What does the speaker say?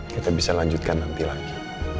kita bisa lanjutkan nanti lagi